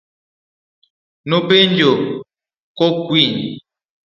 Nopenjo kokwiny.